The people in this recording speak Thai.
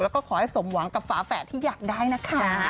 แล้วก็ขอให้สมหวังกับฝาแฝดที่อยากได้นะคะ